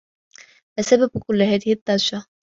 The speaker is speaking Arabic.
ما سبب كلّ هذه الضّجّة؟